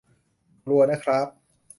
กลัวนะคร้าบ